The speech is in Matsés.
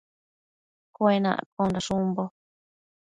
Cuenaccondash umbo